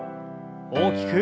大きく。